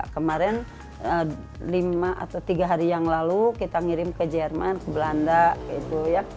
kemarin lima atau tiga hari yang lalu kita ngirim ke jerman ke belanda gitu ya